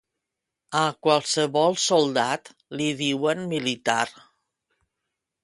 A qualsevol soldat li diuen militar.